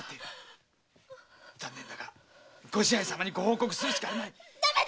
残念だが御支配様にご報告するしかあるまい。